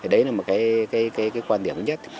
đấy là một cái quan điểm nhất